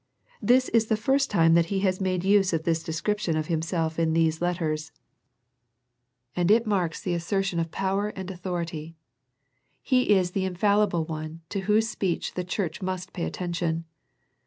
This is the first time that He has made use of this description of Himself in these letters, and III 112 A First Century Message it marks the assertion of power and authority. He is the infallible One to Whose speech the church must pay attention.